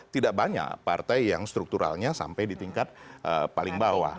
tidak banyak partai yang strukturalnya sampai di tingkat paling bawah